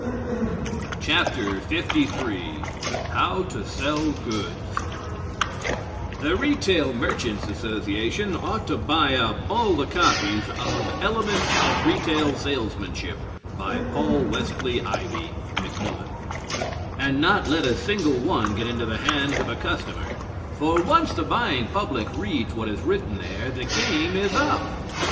FOOTNOTES: Supply Captain's name. LIII HOW TO SELL GOODS The Retail Merchants' Association ought to buy up all the copies of "Elements of Retail Salesmanship," by Paul Westley Ivey (Macmillan), and not let a single one get into the hands of a customer, for once the buying public reads what is written there the game is up.